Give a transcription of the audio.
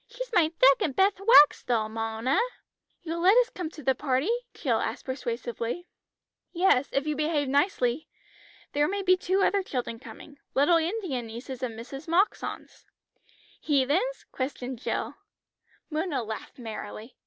She's my thecond betht wax doll, Mona!" "You'll let us come to the party?" asked Jill persuasively. "Yes, if you behave nicely. There may be two other children coming. Little Indian nieces of Mrs. Moxon's." "Heathens?" questioned Jill. Mona laughed merrily.